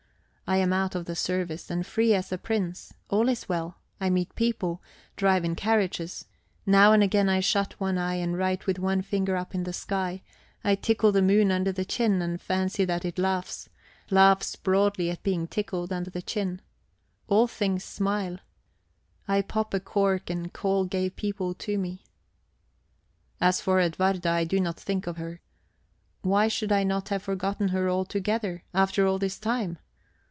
I am out of the service, and free as a prince; all is well; I meet people, drive in carriages; now and again I shut one eye and write with one finger up in the sky; I tickle the moon under the chin, and fancy that it laughs laughs broadly at being tickled under the chin. All things smile. I pop a cork and call gay people to me. As for Edwarda, I do not think of her. Why should I not have forgotten her altogether, after all this time?